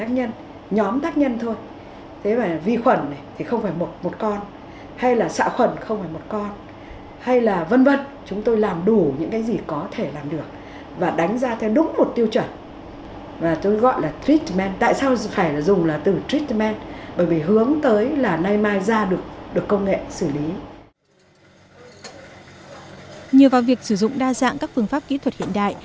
nhờ vào việc sử dụng đa dạng các phương pháp kỹ thuật hiện đại